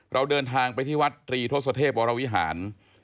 เราเดินทางไปที่วัดตรีทศเทพวรวิหาร